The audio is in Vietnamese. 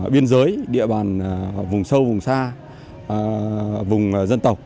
biên giới địa bàn vùng sâu vùng xa vùng dân tộc